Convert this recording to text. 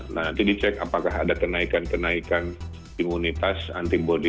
nah nanti dicek apakah ada kenaikan kenaikan imunitas antibody